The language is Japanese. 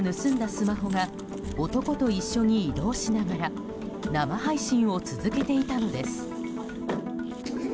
スマホが男と一緒に移動しながら生配信を続けていたのです。